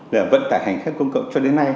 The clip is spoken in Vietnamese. về vận tải hành khách công cộng cho đến nay